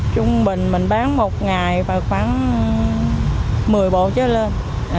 trung bình mình bán một ngày khoảng một mươi bộ cho lên